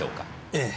ええ。